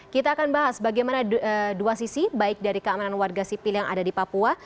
kita akan bahas bagaimana dua sisi baik dari keamanan warga sipil yang ada di papua